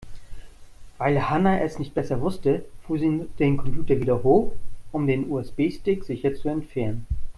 Weil Hanna es nicht besser wusste, fuhr sie den Computer wieder hoch, um den USB-Stick sicher zu entfernen.